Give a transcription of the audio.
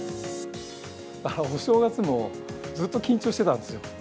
お正月もずっと緊張してたんですよ。